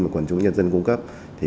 mà quần chúng nhân dân cung cấp